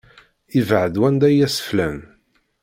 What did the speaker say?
Ibɛed wanda i yas-flan!